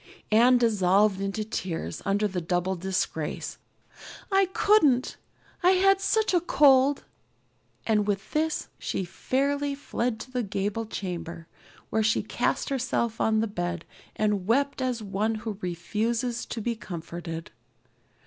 Anne dissolved into tears under this double disgrace. "I couldn't I had such a cold!" and with this she fairly fled to the gable chamber, where she cast herself on the bed and wept as one who refuses to be comforted.